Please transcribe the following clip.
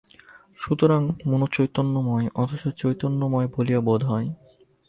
সুতরাং মন চৈতন্যময় নয়, অথচ চৈতন্যময় বলিয়া বোধ হয়।